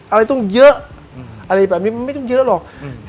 อะไรต้องเยอะไม่ต้องเยอะหรอก